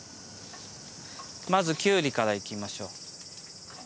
まずきゅうりからいきましょう。